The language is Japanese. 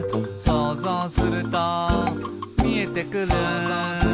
「そうぞうするとみえてくる」